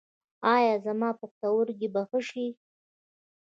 ایا زما پښتورګي به ښه شي؟